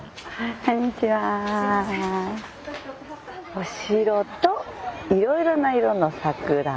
お城といろいろな色の桜。